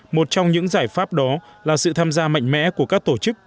một trong những giải pháp đó là sự tham gia mạnh mẽ của các tổ chức